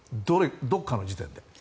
どこかの時点で。